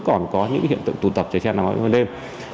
có những hiện tượng tụ tập chạy xe nằm ở bên đêm